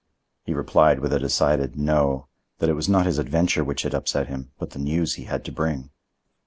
He replied with a decided no; that it was not his adventure which had upset him, but the news he had to bring.